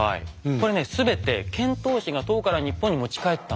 これね全て遣唐使が唐から日本に持ち帰ったものなんですよ。